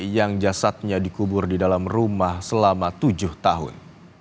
yang jasadnya dikubur di dalam rumah selama tujuh tahun